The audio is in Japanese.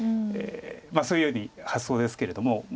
そういうふうに発想ですけれども。